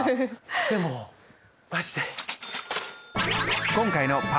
でもマジで？